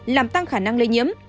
làm tăng khả năng lây nhiễm